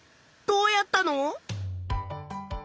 どうやったの？